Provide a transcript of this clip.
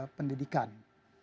jadi pendidikan itu modal awal